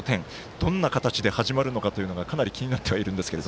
どんな形で始まるのかがかなり気になってはいるんですが。